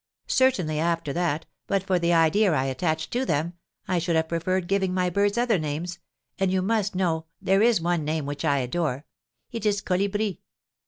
Certainly, after that, but for the idea I attached to them, I should have preferred giving my birds other names; and, you must know, there is one name which I adore, it is Colibri.